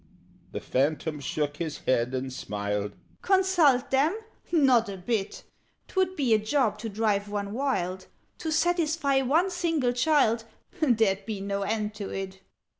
The Phantom shook his head and smiled. "Consult them? Not a bit! 'Twould be a job to drive one wild, To satisfy one single child There'd be no end to it!"